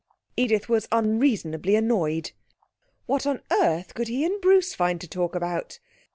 Edith was unreasonably annoyed. What on earth could he and Bruce find to talk about?